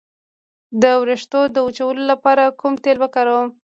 د ویښتو د وچوالي لپاره کوم تېل وکاروم؟